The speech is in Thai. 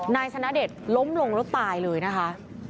นายชนะเดชน์ล้มลงรถตายเลยนะคะ